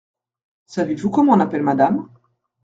Savez-vous comment on appelle madame ?